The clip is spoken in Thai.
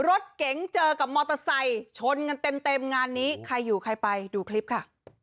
รถเก๋งเจอกับมอเตอร์ไซค์ชนกันเต็มงานนี้ใครอยู่ใครไปดูคลิปค่ะ